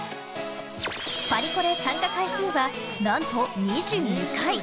パリコレ参加回数は何と２２回。